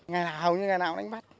ngày nào hầu như ngày nào cũng đánh bắt